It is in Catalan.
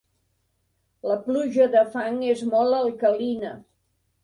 La pluja de fang és molt alcalina.